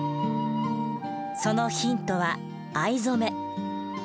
そのヒントは藍染め。